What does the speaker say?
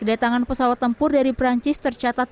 kedatangan pesawat tempur dari perancis tercatat